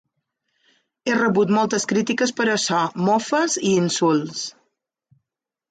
He rebut moltes crítiques per això, mofes i insults.